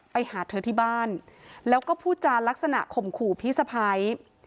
ไปหาเธอที่บ้านแล้วก็พูดจานลักษณะข่มขู่พี่สะพ้าย